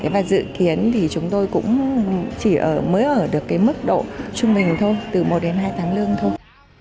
và dự kiến thì chúng tôi cũng chỉ mới ở được cái mức độ trung bình thôi từ một đến hai tháng lương thôi